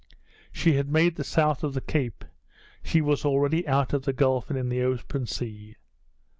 She had made the south of the cape. She was already out of the gulf, and in the open sea.